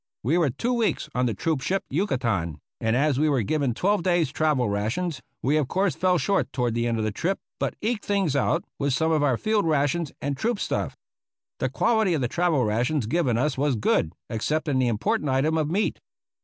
We were two weeks on the troop ship Yucatan, and as we were given twelve days' travel rations, we of course fell short toward the end of the trip, but eked things out with some of our field rations and troop stuff. The quality of the travel rations given to us was good, except in the im portant item of meat.